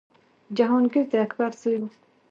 جهانګیر د اکبر زوی و.